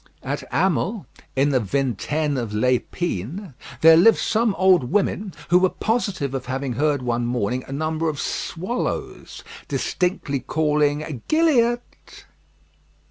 At Hamel, in the Vingtaine of L'Epine, there lived some old women who were positive of having heard one morning a number of swallows distinctly calling "Gilliatt."